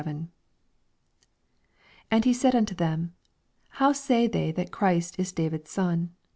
41 And be eaid nnto them, How lay they that Christ is David's son